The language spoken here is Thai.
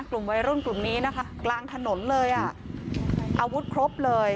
กลุ่มวัยรุ่นกลุ่มนี้นะคะกลางถนนเลยอ่ะอาวุธครบเลย